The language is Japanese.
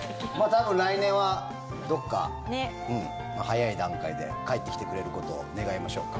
多分、来年はどこか早い段階で帰ってきてくれることを願いましょうか。